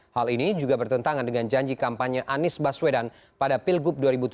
hal ini juga bertentangan dengan janji kampanye anies baswedan pada pilgub dua ribu tujuh belas